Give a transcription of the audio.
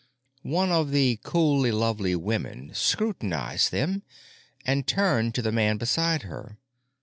One of the coolly lovely women scrutinized them and turned to the man beside her.